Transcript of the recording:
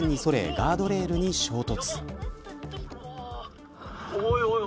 ガードレールに衝突。